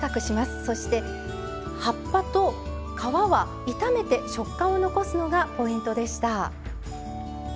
そして、葉っぱと皮は炒めて食感を残すのがポイントでした。